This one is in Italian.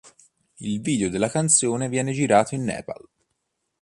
Il video della canzone viene girato in Nepal.